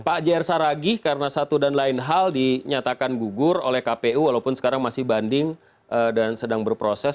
pak jr saragih karena satu dan lain hal dinyatakan gugur oleh kpu walaupun sekarang masih banding dan sedang berproses